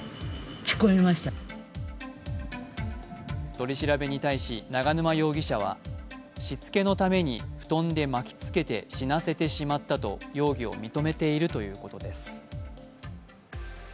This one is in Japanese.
取り調べに対し永沼容疑者はしつけのために布団で巻き付けて死なせてしまったと容疑を認めているということです。